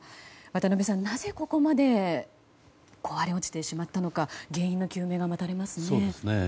渡辺さん、なぜここまで壊れ落ちてしまったのか原因の究明が待たれますね。